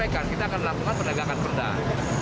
kita akan lakukan pedagangan berdagang